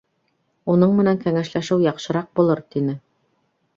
Уның менән кәңәшләшеү яҡшыраҡ булыр, —тине.